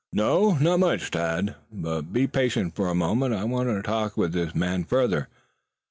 "No, not much, Tad. But be patient for a moment. I want to talk with this man further.